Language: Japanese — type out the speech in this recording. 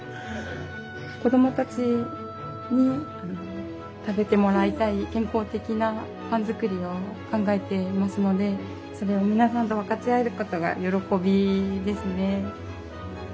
子供たちに食べてもらいたい健康的なパン作りを考えていますのでそれを皆さんと分かち合えることが喜びですね。